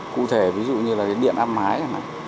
cụ thể ví dụ như điện áp mái